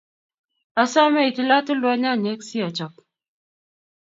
asome itilatilwa nyanyek si achop